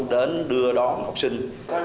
đến đưa đón học sinh